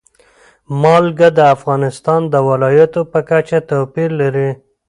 نمک د افغانستان د ولایاتو په کچه توپیر لري.